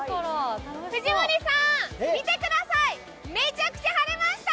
藤森さん、見てください、めちゃくちゃ晴れました！